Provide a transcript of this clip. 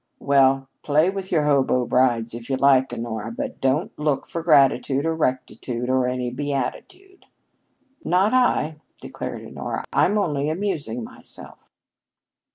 Well, play with your hobo brides if you like, Honora, but don't look for gratitude or rectitude or any beatitude." "Not I," declared Honora. "I'm only amusing myself."